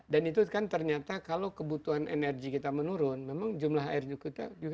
dan itu kan ternyata kalau kebutuhan energi kita menurun memang jumlah air juga menurun